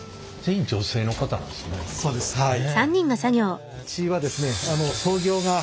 そうですはい。